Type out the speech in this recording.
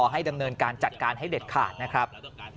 ให้ดำเนินการจัดการให้เด็ดขาดนะครับ